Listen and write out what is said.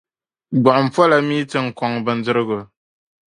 Gbuɣim’ pola min ti kɔŋ bindirigu.